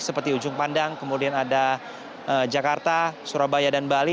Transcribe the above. seperti ujung pandang kemudian ada jakarta surabaya dan bali